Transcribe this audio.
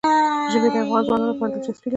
ژبې د افغان ځوانانو لپاره دلچسپي لري.